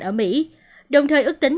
ở mỹ đồng thời ước tính